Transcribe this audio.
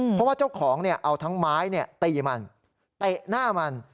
เพราะว่าเจ้าของเอาทั้งไม้ตีมันเตะหน้ามัน